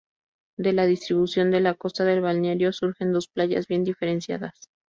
De la distribución de la costa del balneario surgen dos playas bien diferenciadas.